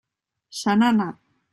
Se n'ha anat.